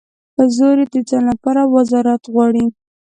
په زور یې د ځان لپاره وزارت غواړي.